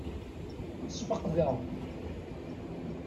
Sfeqdeɣ.